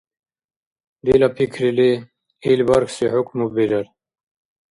Дила пикрили, ил бархьси хӀукму бирар…